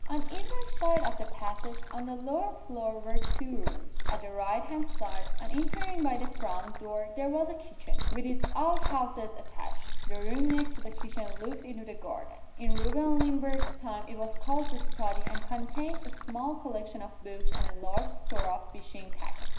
On either side of the passage, on the lower floor, were two rooms. At the right hand side, on entering by the front door, there was a kitchen, with its outhouses attached. The room next to the kitchen looked into the garden. In Reuben Limbrick's time it was called the study and contained a small collection of books and a large store of fishing tackle.